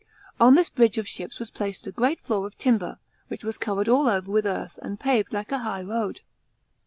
On this bridge of ships was placed a great floor of timber, which was covered all over with earth and paved like a high road.